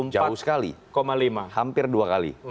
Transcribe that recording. jauh sekali hampir dua kali